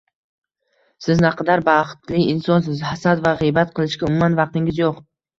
Siz naqadar baxtli insonsiz: hasad va g‘iybat qilishga umuman vaqtingiz yo‘q.